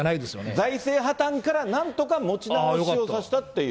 財政破綻からなんとか持ち直しをさせたという。